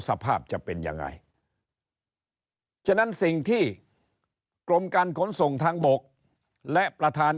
สภาพจะเป็นยังไงฉะนั้นสิ่งที่กรมการขนส่งทางบกและประธาน